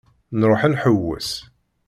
Nruḥ ad nḥewwes.